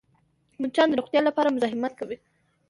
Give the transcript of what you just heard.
مچان د روغتیا لپاره مزاحمت کوي